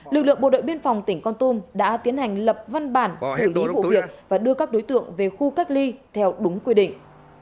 lực lượng bộ đội biên phòng tỉnh con tum đã tiến hành lập văn bản xử lý vụ việc và đưa các đối tượng về khu cách ly theo đúng quy định